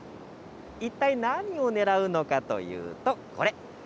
一体何をねらうのかというと、これ。